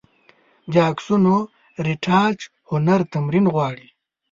د عکسونو رېټاچ هنر تمرین غواړي.